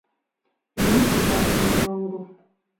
Eyitibwa endongo.